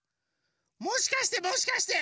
もしかしてもしかして。